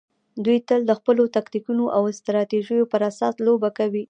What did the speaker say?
دوی تل د خپلو تکتیکونو او استراتیژیو پر اساس لوبه کوي.